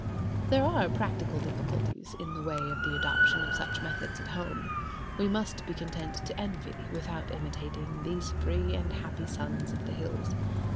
There are practical difficulties in the way of the adoption of such methods at home. We must be content to envy, without imitating, these free and happy sons of the hills.